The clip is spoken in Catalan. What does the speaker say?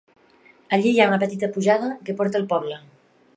Allí hi ha una petita pujada que porta al poble.